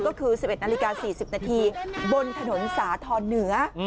ก็คือ๑๑นาฬิกา๔๐นาทีบนถนนสาธรณ์เหนือ